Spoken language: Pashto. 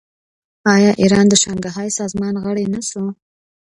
آیا ایران د شانګهای سازمان غړی نه شو؟